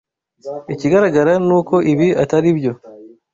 Ikigaragara ni uko ibi atari byo.